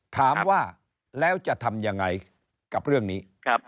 ถามว่าแล้วจะทำยังไงกับเรื่องนี้